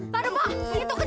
waduh ma itu kejut kejut